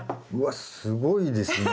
わっすごいですね。